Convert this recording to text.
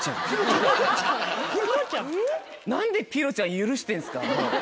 何で「ぴろちゃん」許してんすか？